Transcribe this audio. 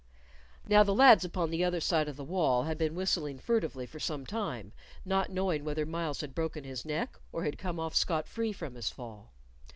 Now the lads upon the other side of the wall had been whistling furtively for some time, not knowing whether Myles had broken his neck or had come off scot free from his fall.